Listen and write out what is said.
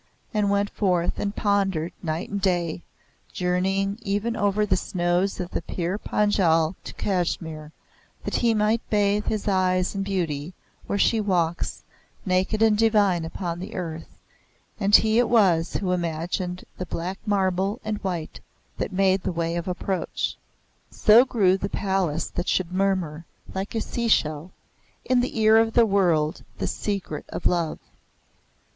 and went forth and pondered night and day, journeying even over the snows of the Pir Panjal to Kashmir, that he might bathe his eyes in beauty where she walks, naked and divine, upon the earth, and he it was who imagined the black marble and white that made the way of approach. So grew the palace that should murmur, like a seashell, in the ear of the world the secret of love.